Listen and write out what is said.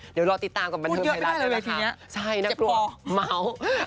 เดี๋ยวรอติดตามกับบรรเทิมไทยละครับ